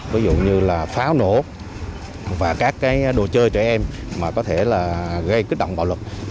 ví dụ như là pháo nổ và các cái đồ chơi trẻ em mà có thể là gây kích động bạo lực